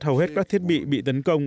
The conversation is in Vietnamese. hầu hết các thiết bị bị tấn công